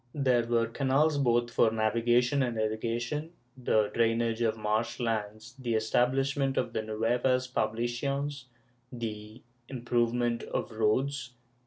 There were canals, both for navigation and irrigation, the drainage of marsh lands, the establishment of the nuevas pohlaciones, the improvement of roads.